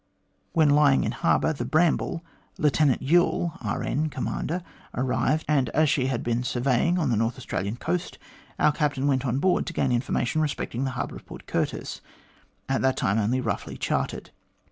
When lying in harbour, the Bramble, Lieutenant Youl, R.N., commander, arrived, and as she had been surveying on the North Australian coast, our captain went on board to gain information respecting the harbour of Port Curtis at that time only roughly charted.